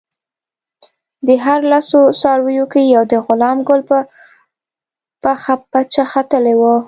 د هرو لسو څارویو کې یو د غلام ګل په پخه پچه ختلی وو.